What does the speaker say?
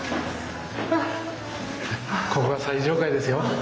ここが最上階ですよ。